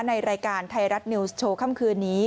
ในรายการไทยรัฐนิวส์โชว์ค่ำคืนนี้